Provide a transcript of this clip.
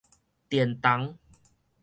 電筒